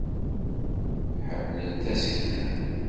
Ḥemmlen tasekla.